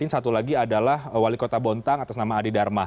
satu lagi adalah wali kota bontang atas nama adi dharma